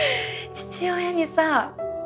父親にさ